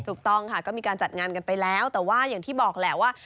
ถูกต้องค่ะก็มีการจัดงานกันไปแล้วแต่ว่าอย่างที่บอกแหละว่า